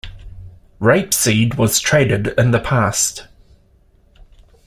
Rapeseed was traded in the past.